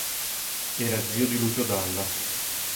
Era zio di Lucio Dalla.